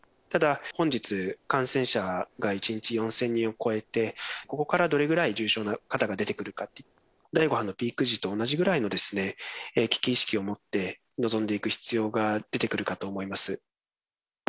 ただ、本日、感染者が１日４０００人を超えて、ここからどれぐらい重症な方が出てくるかという、第５波のピーク時と同じぐらいの危機意識を持って臨んでいく必要が出てくるかと思います。